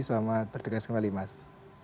selamat bertugas kembali mas